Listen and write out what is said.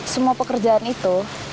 semua pekerjaan itu